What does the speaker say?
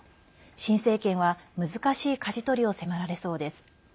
新政権は難しいかじ取りを迫られそうです。